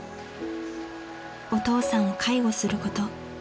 ［お父さんを介護すること］